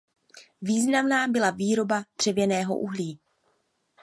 Významná byla výroba dřevěného uhlí.